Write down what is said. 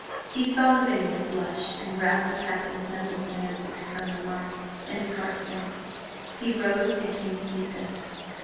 He saw Lavinia blush and rap the Captain's knuckles in answer to some remark, and his heart sank. He rose and came to meet them.